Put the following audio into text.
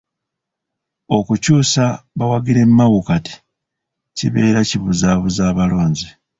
Okukyusa bawagire Mao kati, kibeera kibuzaabuza abalonzi .